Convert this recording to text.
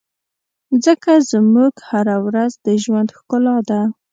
مځکه زموږ هره ورځ د ژوند ښکلا ده.